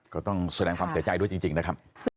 ก็ต้องแสดงความเสียใจด้วยจริงนะครับ